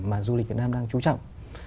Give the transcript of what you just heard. mà du lịch việt nam đang trú trọng